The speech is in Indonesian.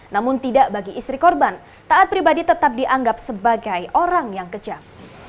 namun tidak bagi istri korban taat pribadi tetap dianggap sebagai orang yang kejam